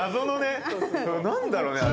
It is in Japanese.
何だろうね？